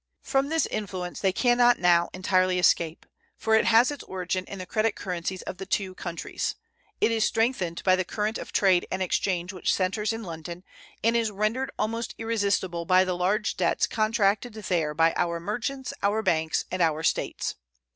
From this influence they can not now entirely escape, for it has its origin in the credit currencies of the two countries; it is strengthened by the current of trade and exchange which centers in London, and is rendered almost irresistible by the large debts contracted there by our merchants, our banks, and our States.